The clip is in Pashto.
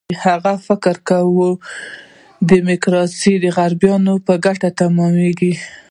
هغوی فکر کوي، ډیموکراسي د غریبو په ګټه تمامېږي.